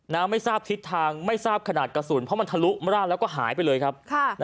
ไม่ทราบทิศทางไม่ทราบขนาดกระสุนเพราะมันทะลุมราดแล้วก็หายไปเลยครับ